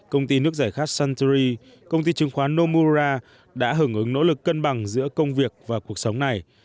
công ty nước giải khát santery công ty chứng khoán nomura đã hưởng ứng nỗ lực cân bằng giữa công việc và cuộc sống này